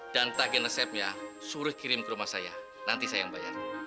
dan tagi resepnya suruh kirim ke rumah saya nanti saya yang bayar